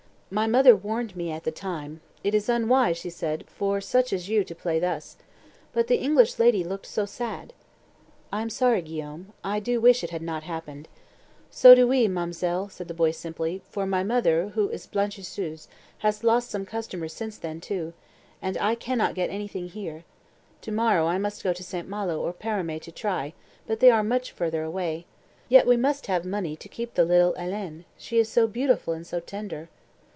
My mother warned me at the time. 'It is unwise,' she said, 'for such as you to play thus.' But the little English lady looked so sad." "I am sorry, Guillaume. I do wish it had not happened." "So do we, ma'm'selle," said the boy simply, "for my mother, who is blanchisseuse, has lost some customers since then, too, and I cannot get anything here. To morrow I go to St. Malo or Paramé to try but they are much farther away. Yet we must have money to keep the little Hélène. She is so beautiful and so tender."